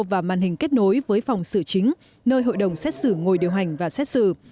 và màn hình kết nối với phòng xử chính nơi hội đồng xét xử ngồi điều hành và xét xử